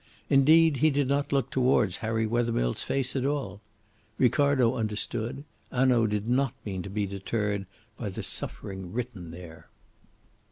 Indeed, he did not look towards Harry Wethermill's face at all. Ricardo understood. Hanaud did not mean to be deterred by the suffering written there.